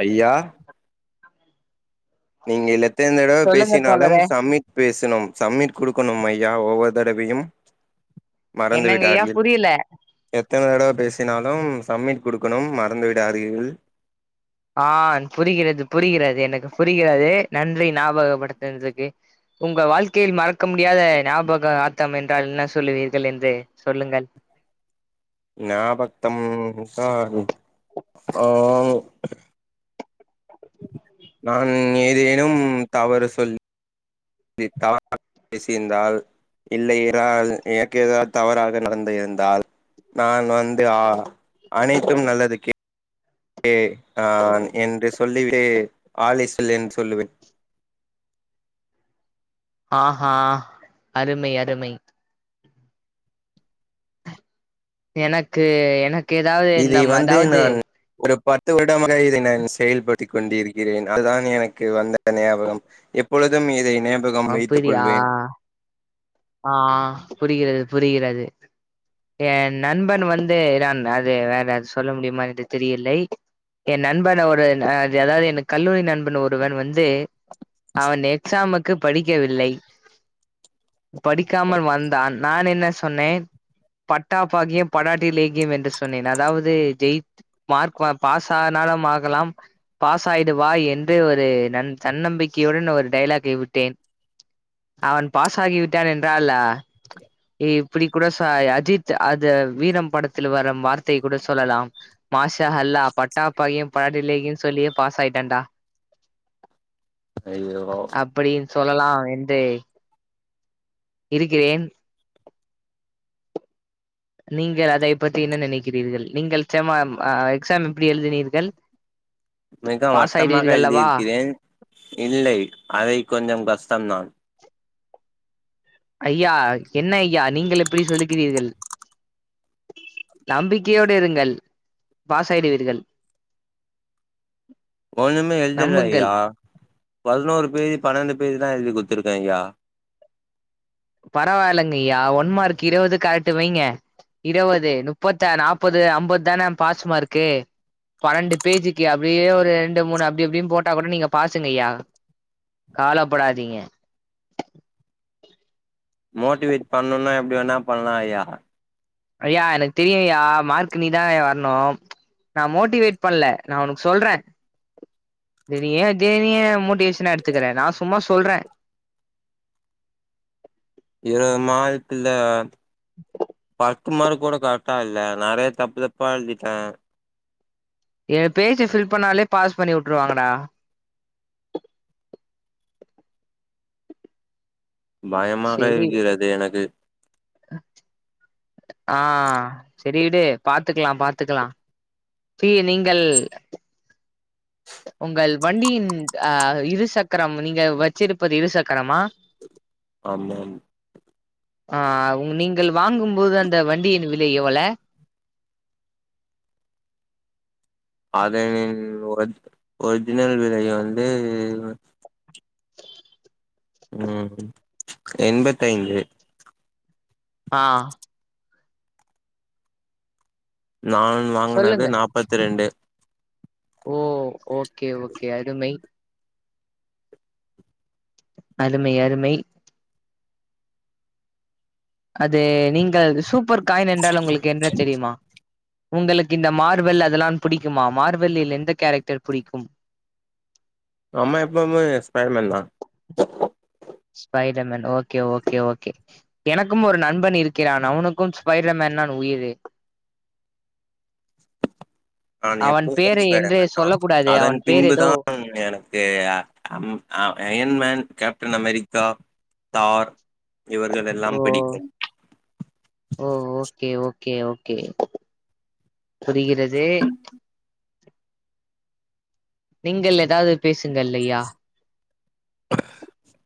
ஐயா நீங்க இதில எத்தன் தடவ் சொல்லுங்க பேசினாலும் தோழரே சம்மிட் பேசணும் சம்மிட் குடுக்கணும் ஐயா ஒவ்வொரு தடவயும் மறந்து என்னங்கய்யா விடார்கில் புரியல எத்தனை தடவை பேசினாலும் சம்மிட் கொடுக்கணும் மறந்து விடாதீர்கள் ஆ புரிகிறது புரிகிறது எனக்கு புரிகிறது நன்றி ஞாபகப்படுத்துனதுக்கு உங்க வாழ்க்கையில் மறக்க முடியாத ஞாபக ஆத்தம் என்றால் என்ன சொல்லுவீர்கள் என்று சொல்லுங்கள் நாபத்தம் என்றால் ஆ நான் ஏதேனும் தவறு சொல் லி தவறாக பேசிருந்தால் இல்லையிறால் எனக்கு எதிராக தவராக நடந்திருந்தாள் நான் வந்து ஆ அனைத்தும் நல்லதுக்கே ஏ ஆ என்று சொல்லிவிடு ஆல் ஈஸ் வெல் என்று சொல்லுவேன் ஆஹா அருமை அருமை எனக்கு எனக்கு ஏதாவது இதை இந்தம் வந்து அதாவது நான் ஒரு பத்து வருடமாக இதை நான் செயல்படுத்தி கொண்டிருக்கிறேன் அதுதான் எனக்கு வந்த ஞாபகம் எப்பொழுதும் இதை நேபகம் வைத்துக் அப்படியா கொள்வேன் ஆ புரிகிறது புரிகிறது என் நண்பன் வந்து இரான் அது வேற அது சொல்ல முடியுமா என்று தெரியலை என் நண்பன் ஒரு அதாவது என் கல்லூரி நண்பன் ஒருவன் வந்து அவன் எக்ஸாமுக்கு படிக்கவில்லை படிக்காமல் வந்தான் நான் என்ன சொன்னேன் பட்டா பாகியம் படாட்டி லேகியம் என்று சொன்னேன் அதாவது ஜெய்த் மார்க் வா பாஸ் ஆனாலும் ஆகலாம் பாஸ் ஆயிடுவாய் என்று ஒரு நன் தன்னம்பிக்கையுடன் ஒரு டைலாக்கை விட்டேன் அவன் பாஸ்ஸாகி விட்டான் என்றால் எ இப்டி கூட சாய் அஜித் அது வீரம் படத்துல வரும் வார்த்தையை கூட சொல்லலாம் மாஷா ஹல்லா பட்டா பகையு படாட்டி லேகியன்னு சொல்லியே பாஸ் ஆயிட்டேன்டா ஐயோ அப்படியும் சொல்லலாம் என்று இருக்கிறேன் நீங்கள் அதை பத்தி என்ன நினைக்கிறீர்கள் நீங்கள் செமாம் ஆ எக்ஸாம் எப்படி எழுதினீர்கள் மிக பாஸ் வட்டமாக ஆயிடுவீர்கள் அல்லவா எழுதியிருக்கிறேன் இல்லை அதை கொஞ்சம் கஷ்டம்தான் ஐயா என்ன ஐயா நீங்கள் இப்டி சொல்லுகிறீர்கள் நம்பிக்கையோடு இருங்கள் பாசாயிடுவீர்கள். ஒன்னுமே எழுதல நம்புங்கள் ஐயா பதினோரு பேஜ் பன்னண்டு பேஜ் தா எழுதி குடுத்துருக்க ஐயா பரவால்லங்கய்யா ஒன் மார்க் இருவது கரெக்ட்டு வைங்க இருவது னுப்பத்தாரு நாப்பது அம்பது தான பாஸ் மார்க்கு பன்னண்டு பேஜிக்கு அப்படியே ஒரு ரெண்டு மூணு அப்டப்டினு போட்டா கூட நீங்க பாசுங்கய்யா காலப்படாதீங்க மோட்டிவேட் பண்ணூன்னா எப்டி வேனா பண்லாயா. ஐயா எனக்கு தெரியுயா மார்க் நீதாய்யா வர்ணு. நா மோட்டிவேட் பண்ல நா உனக்கு சொல்ற தெரிய தேரிய மோட்டிவேஷனா எடுத்துக்ற நா சும்மா சொல்ற இரு மாதத்துல பா து மார்க்கூட கரட்டா இல்ல நெறைய தப்பு தப்பா எழுதிட்ட எ பேஜ் ஃபில் பண்ணாலே பாஸ் பண்ணி உட்ருவாங்கடா. பயமாக இருக்கிறது எனக்கு. ஆஹ் சரி விடு பாத்துக்கலா பாத்துக்கலா. டீய நீங்கள் உங்கள் வண்டியின் அஹ் இருசக்கரம் நீங்க வச்சிருப்பது இரு சக்கரமா? ஆமாம் ஆஹ் நீங்கள் வாங்கும்போது அந்த வண்டியின் விலை எவ்வள? அதனின் ஒர் ஒர்ஜினல் விலை வந்து கம் எண்பத்தைந்து அஹ் நான் வாங்குனது சொல்லுங்க நாப்பத்தி ரெண்டு ஓ ஓகே ஓகே அருமை அருமை அருமை அது நீங்கள் சூப்பர் காயின் என்றால் உங்களுக்கு என்ன தெரியுமா? உங்களுக்கு இந்த மார்வல் அதெல்லா புடிக்குமா மார்வல்லில் எந்த கேரக்டர் புடிக்கும்? நம்ம எப்பவுமே ஸ்பைடர்மேன் தா. ஸ்பைடர்மேன் ஓகே ஓகே ஓகே எனக்கும் ஒரு நண்பன் இருக்கிறான் அவனுக்கும் ஸ்பைடர்மேன்னான் உயிரு நான் அவன் எப்போதும் பேரு என்று ஸ்பைடர்மேன் சொல்ல தான் கூடாது அதன் அவன் பேர் ஏதோ பின்புதான் எனக்கு இய அம் ஆம் அயன்மேன் கேப்டன் அமெரிக்கா தார் இவர்கள் ஓ எல்லாம் பிடிக்கும் ஓ ஓகே-ஓகே- ஓகே- புரிகிறது. நீங்கள் ஏதாது பேசுங்கல்லையா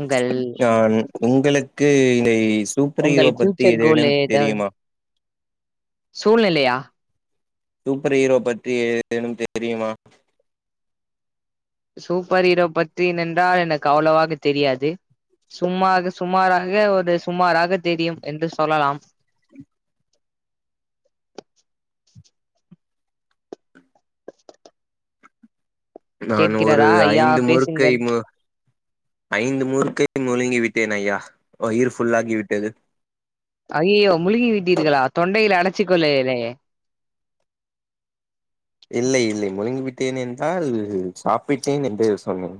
உங்கள் நான் உங்களுக்கு இலை சூப்பர் உங்கள் ஹீரோ பத்தி ஃபியூச்சர் கோல் ஏதேனும் ஏதாவது தெரியுமா சூழ்நிலையா சூப்பர் ஹீரோ பத்தி ஏதேனும் தெரியுமா சூப்பர் ஹீரோ பத்தின் என்றால் எனக்கு அவ்ளோவாக தெரியாது சும்மாக சுமாராக ஒரு சுமாராக தெரியும் என்று சொல்லலாம் நான் ஒரு கேட்கிறதா ஐயா ஐந்து பேசுங்கள் முறுக்கைம்மு ஐந்து முறுக்கை முழுங்கி விட்டேன் ஐயா வயிறு ஃபுல்லாகி விட்டது அய்யய்யோ முழுங்கி விட்டீர்களா தொண்டையில அடச்சி கொள்ளளேயே இல்லை இல்லை முழுங்கி விட்டேன் என்றால் சாப்பிட்டேன் என்று சொன்னேன்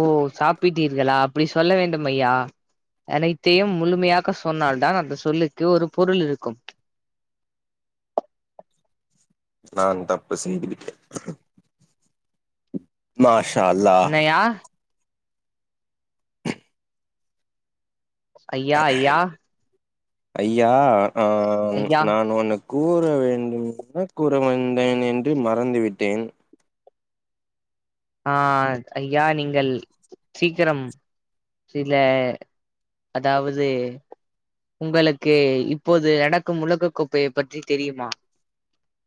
ஓ சாப்பிட்டீர்களா அப்டி சொல்ல வேண்டும் ஐயா அனைத்தையும் முழுமையாக சொன்னால்தான் அந்த சொல்லுக்கு ஒரு பொருள் இருக்கும் நான் தப்பு செய்துவிட்டே மாஷா அல்லாஹ் யா ஐயா ஐயா ஐயா ஆ ஐயா நான் உனக் கூற வேண்டும் என்ன கூற வந்தேன் என்று மறந்துவிட்டேன் ஆ ஐயா நீங்கள் சீக்கரம் சில அதாவது உங்களுக்கு இப்போது நடக்கும் உலக கோப்பைய பற்றி தெரியுமா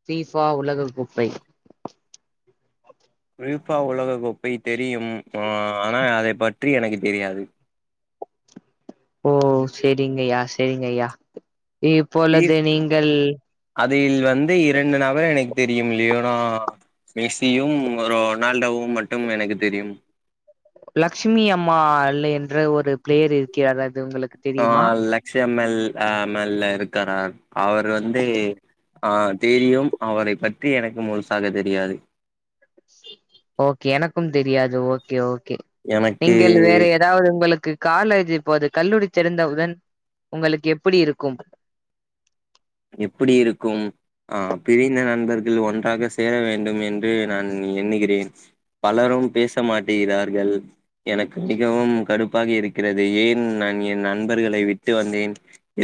பீஃபா உலக கோப்பை பீஃபா உலக கோப்பை தெரியும் ஆ ஆனா அதை பற்றி எனக்கு தெரியாது ஓ சேரிங்கய்யா சேரிங்கய்யா இப்பொழுது நீங்கள் அதில் வந்து இரண்டு நபர் எனக்கு தெரியும் லியோனோ மெஸியும் ரொனால்டோவு மட்டும் எனக்கு தெரியும் லக்ஷ்மி அம்மாள் என்ற ஒரு பிளேயர் இருக்கிறார் அது உங்களுக் ஆ லக்ஷ் எம்எல் ஆ மல் இருக்கறார் அவர் வந்து ஆ தெரியும் அவரை பத்தி எனக்கு முழுசாக தெரியாது ஓகே எனக்கு தெரியாது ஓகே ஓகே எனக்கு நீங்கள் வேற எத் அதாவது உங்களுக்கு கால்லேஜி இப்போது கல்லுரி திறந்த உடன் உங்களுக்கு எப்படி இருக்கும் எப்புடி இருக்கும் ஆ பிரிந்த நண்பர்கள் ஒன்றாக சேர வேண்டும் என்று நான் எண்ணுகிறேன் பலரும் பேச மாட்டிகிறார்கள் எனக்கு மிகவும் கடுப்பாக இருக்கிறது என் நான் என் நண்பர்களை விட்டு வந்தேன்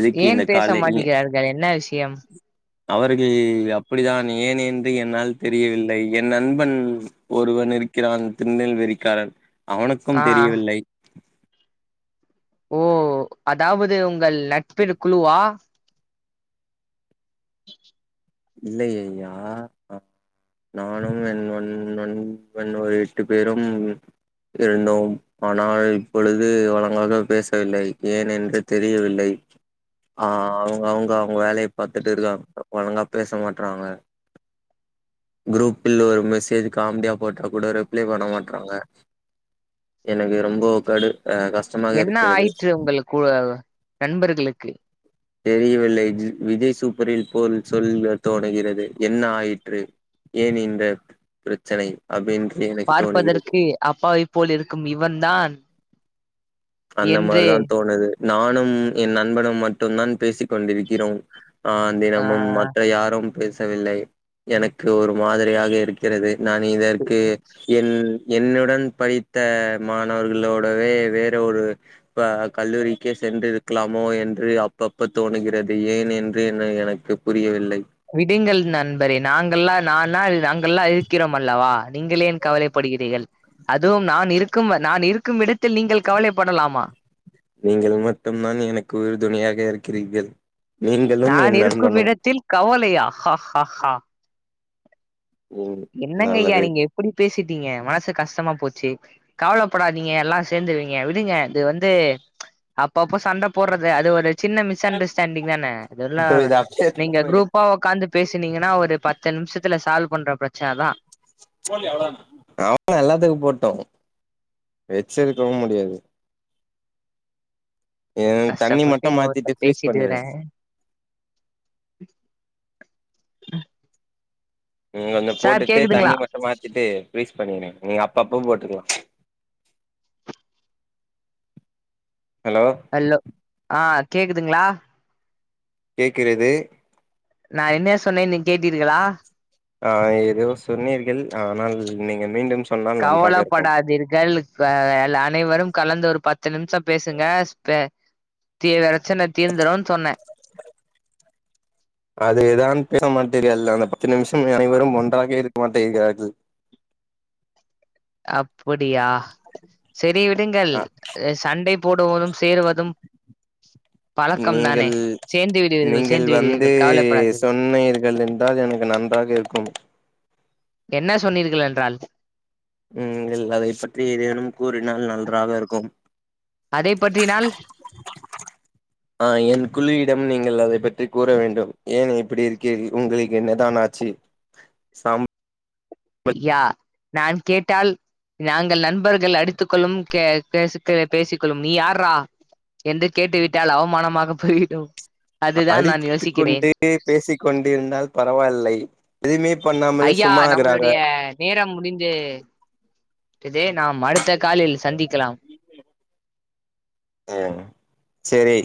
எதுக்கு ஏன் இந்த பேச காலை மாட்டிகிறார்கள் என்ன விஷ்யம் அவர்கள் அப்படிதான் ஏன் என்று என்னால் தெரியவில்லை என் நண்பன் ஒருவன் இருக்கிறான் திருநெல் வேலிகாரன் ஆ அவனுக்கும் தெரியவில்லை ஓ அதாவது உங்கள் நட்பின் குழுவா இல்லை அய்யா நானும் என்னொன் என் [unintelligible] ஒரு எட்டு பேரும் இருந்தோம் ஆனால் இப்பொழுது அவர்களாக பேசவில்லை ஏன் என்று தெரியவில்லை ஆ அவுங்க அவுங்க அவுங்க வேலைய பாத்துட்டு இருக்காங்க ஒழுங்கா பேச மாட்றாங்க குரூப்பில் ஒரு மெசேஜ் காமெடியா போட்டா கூட ரிப்ளை பண்ண மாட்றாங்க எனக்கு ரொம்ப கடு அ கஷ் என்ன ஆயிற்று உங்கள் கு நண்பர்களுக்கு தெரியவில்லை ஜி விஜய் சூப்பரில் போல் சொல்ல தோணுகிறது என்ன ஆயிற்று ஏன் இந்த பிரச்சனை அப்டின் எனக்கு தோணுகிறது ஏ அப்பாவி போல் இருக்கும் இவன் தான் இப்ப அந்த மாரி என்று தா தோணுது நானும் என் நண்பனும் மட்டும் தான் பேசிக் கொண்டிருக்கிறோம் ஆ தினமும் மற்ற யாரும் பேசவில்லை எனக்கு ஒரு மாதிரியாக இருக்கு க்கிறது நான் இதற்கு என் என்னுடன் படித்த மாணவர்களோடவே வேற ஒரு ப்ப கல்லூரிக்கே சென்றிருக்கலாமோ என்று அப்பப்ப தோணுகிறது ஏன் என்று என்ன எனக்கு புரியவில்லை விடுங்கள் நண்பரே நாங்கள்லா நாலா நாங்கள்லா இருக்கிறோம் அல்லவா நீங்கள் ஏன் கவலைப்படுகிறிகள் அதுவும் நான் இருக்கும் நான் இருக்கும் இடத்தில் நீங்கள் கவலைப்படலாமா நீங்கள் மட்டும்தான் எனக்கு உறுதுணையாக இருக்கிங்கள் நான் இருக்கும் இடத்தில் கவலையா ஹஹஹா ம் என்னங்கயா நல்லது நீங்க இப்படி பேசிட்டீங்க மனசு கஷ்டமா போச்சு கவலப்படாதீங்க எல்லா சேர்ந்துருவீங்க விடுங்க இது வந்து அப்ப அப்ப சண்ட போடுறதுதே அது ஒரு சின்ன மிஸ் அண்டர்ஸ்டாண்டிங் தான இதெல்லா சோ இது அப்டியே எடுத்துனு நீங்க போயிடு குரூப்பா ஒக்காந்து பேசுனீங்கன்னா ஒரு பத்து நிமிஷத்துல சால்வ் பண்ற ப்ரெச்சனதா அவ்ளதா எல்லாத்துக்கு போட்டோ வச்சிருக்கவு முடியாது ஏ தண்ணி கஷ்டப்பட்டு மட்டு இங்க மாத்திட்டு ஒருத்தே ஃப்ரீஸ் பேசிட்டுருக்றே பண்ணிருங்க நீங்க கொஞ்ச சார் போட்டுட்டு தண்ணி கேக்குதுங்களா மட்டு மாத்திட்டு ஃபிரீஸ் பண்ணிருங்க நீங்க அப்பப்பவு போட்டுக்கலா ஹலோ அல்லோ ஆ கேக்குதுங்களா கேட்கிறது நா என்ன சொன்னேனு நீங்க கேட்டீர்களா ஆ ஏதோ சொன்னீர்கள் ஆனால் நீங்க மீண்டும் சொல் கவலப்படாதீர்கள் ப எல் அனைவரும் கலந்து ஒரு பத்து நிமிஷோ பேசுங்கஸ் பே தீவிர ப்ரெச்சன தீர்ந்திறுனு சொன்னே அதேதான் பேச மாட்டேனு எல்லாரு அந்த பத்து நிமிஷம் நீங்கள் அனைவரும் ஒன்றாக இருக்க மாட்டேக்கிறார்கள் அப்புடியா செரி விடுங்கள் ஆ சண்டை போடுவதும் சேருவதும் பழக்கம் தானே நீங்கள் சேர்ந்து விடுவீர்கள் நீங்கள் சேர்ந்து வந்து விடுவீர்கள் கவலைப்படாதீர்கள் சொன்னீர்கள் என் றால் எனக்கு நன்றாக இருக்கும் என்ன சொன்னீர்கள் என்றால் நீங்கள் அதை பற்றி ஏதேனும் கூறினால் நன்றாக இருக்கும் அதை பற்றினால் ஆ என் குழுயிடம் நீங்கள் அதை பற்றி கூற வேண்டும் ஏன் இப்படி இருக்கீறீர் உங்களுக்கு என்னதான் ஆ சி சாம் ஐயா நான் கேட்டால் நாங்கள் நண்பர்கள் அடித்துக்கொள்ளும் கே பேசி பேசிக்கொள்ளும் நீ யார்ரா என்று கேட்டுவிட்டால் அவமானமாக போய்டு அதுதா நான் யோசிக்கிறேன் இப்டியே பேசிக்கொண்டிருந்தால் பரவா இல்லை எதுவுமே பண்ணாமலே ஐயா சும்மாயிருறாங்க நம்மளுடைய நேரம் முடிந்து விட்டது நாம் அடுத்த காலில் சந்திக்கலாம் அ சேரி